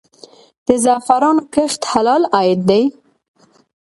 د زعفرانو کښت حلال عاید دی؟